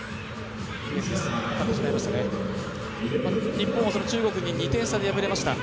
日本は中国に２点差で敗れました。